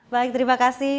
baik terima kasih